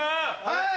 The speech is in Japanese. はい！